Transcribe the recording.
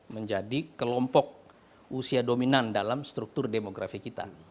menjadi kelompok usia dominan dalam struktur demografi kita